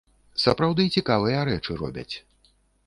Сапраўды цікавыя рэчы робяць.